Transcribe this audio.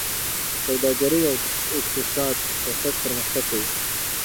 سوداګري او اقتصاد چټک پرمختګ کوي.